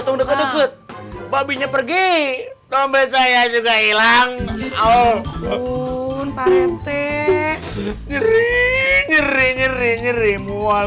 tondeke deket babinya pergi dompet saya juga hilang oh paren te nyeri nyeri nyeri nyeri mual